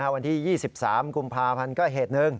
วันที่๒๓กุมภาพันธ์ก็เหตุหนึ่ง